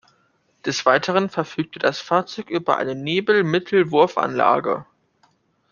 Des Weiteren verfügte das Fahrzeug über eine Nebelmittelwurfanlage.